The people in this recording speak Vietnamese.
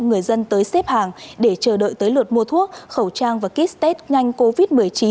người dân tới xếp hàng để chờ đợi tới luật mua thuốc khẩu trang và kết tết nhanh covid một mươi chín